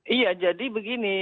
iya jadi begini